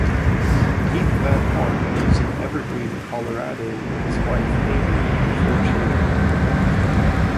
Keith Van Horn lives in Evergreen, Colorado, with his wife, Amy, and four children.